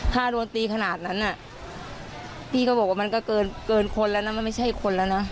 ถ้าโดนตีขนาดนั้นน่ะพี่ก็บอกว่ามันก็เกินคนแล้วนะมันไม่ใช่คนแล้วนะ